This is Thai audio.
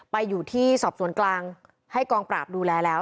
ไปอยู่ที่สอบสวนกลางให้กองปราบดูแลแล้ว